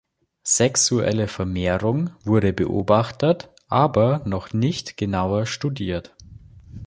Sexuelle Vermehrung wurde beobachtet, aber noch nicht genauer studiert.